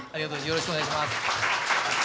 よろしくお願いします。